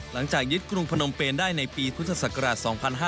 หลังจากยึดกรุงพนมเป็นได้ในปีพุทธศักราช๒๕๕๙